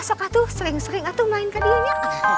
sekatu sering sering atau main kardionya